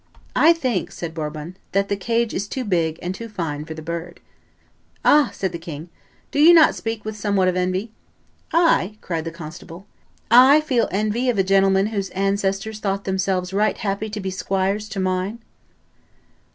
"I think," said Bourbon, "that the cage is too big and too fine for the bird." "Ah!" said the king, "do you not speak with somewhat of envy?" "I!" cried the constable; "I feel envy of a gentleman whose ancestors thought themselves right happy to be squires to mine!"